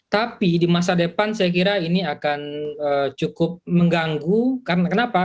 tapi di masa depan saya kira ini akan cukup mengganggu karena kenapa